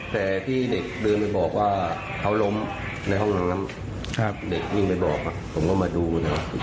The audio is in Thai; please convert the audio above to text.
แต่ที่เด็กเดินไปบอกว่าเขาล้มในห้องน้ำเด็กวิ่งไปบอกผมก็มาดูนะ